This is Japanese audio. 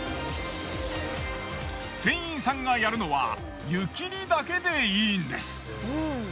店員さんがやるのは湯切りだけでいいんです。